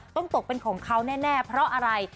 ตกเป็นของเขาแน่เพราะอะไร